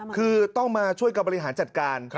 คือต้องมาช่วยกับบริหารจัดการ